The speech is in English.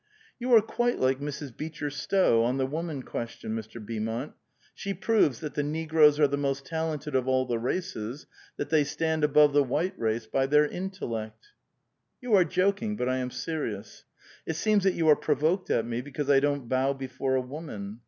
*' You are quite like Mrs. Beecher Stowe, on the woman question, Mr. Beaumont. She proves that the negroes are the most talented 6f all the races, that they stand above the white race by their intellect." " You are joking, but I am serious." " It seems that you are provoked at me because I don't bow before a woman.